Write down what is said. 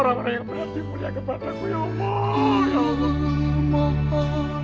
tempat saya tidak tuh selamanya ridwan